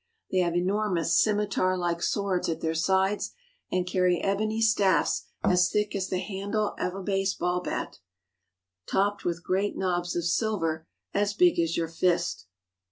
They have enormous scimitar like swords at their sides and carry ebony staffs as thick as the handle of a baseball bat topped with great knobs of silver as big as your fist.